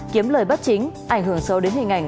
kiếm lời bất chính ảnh hưởng sâu đến hình ảnh